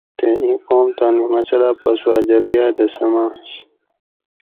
تے اِیں قوم تانی مسلا پا سوا جرگاۤ دہ سماںش